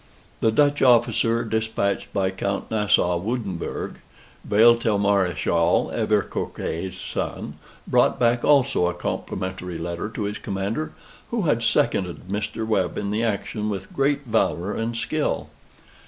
The Dutch officer despatched by Count Nassau Woudenbourg, Vaelt Mareschal Auverquerque's son, brought back also a complimentary letter to his commander, who had seconded Mr. Webb in the action with great valor and skill.